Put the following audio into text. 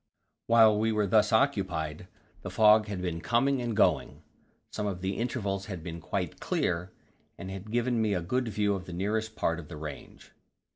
While we were thus occupied, the fog had been coming and going; some of the intervals had been quite clear, and had given me a good view of the nearest part of the range.